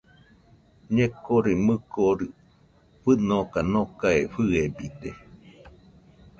Ñekore mɨkori fɨnoka nokae fɨebite